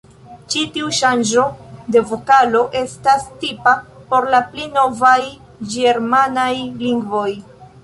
Ĉi tiu ŝanĝo de vokalo estas tipa por la pli novaj ĝermanaj lingvoj.